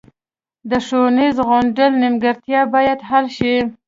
د ښوونیز غونډال نیمګړتیاوې باید حل شي